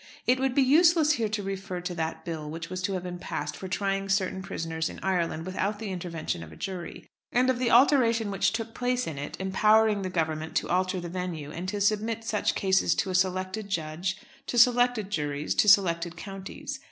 It would be useless here to refer to that Bill which was to have been passed for trying certain prisoners in Ireland without the intervention of a jury, and of the alteration which took place in it empowering the Government to alter the venue, and to submit such cases to a selected judge, to selected juries, to selected counties.